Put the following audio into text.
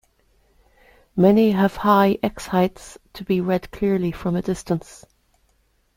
Many have high x-heights to be read clearly from a distance.